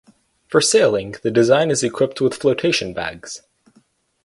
For sailing the design is equipped with flotation bags.